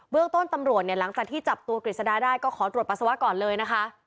เรื่องต้นตำรวจเนี่ยหลังจากที่จับตัวกฤษดาได้ก็ขอตรวจปัสสาวะก่อนเลยนะคะ